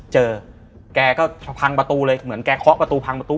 แกก็พังประตูเลยเหมือนแกเคาะประตูพังประตู